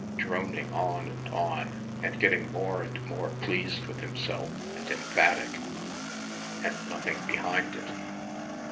droning on and on and getting more and more pleased with himself and emphatic ... and nothing behind it.